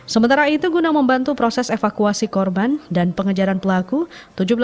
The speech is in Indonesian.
sementara itu guna membantu proses evakuasi korban dan pengejaran pelaku